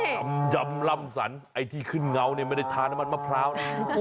ยำร่ำสันไอ้ที่ขึ้นเงาเนี่ยไม่ได้ทานน้ำมันมะพร้าวนะ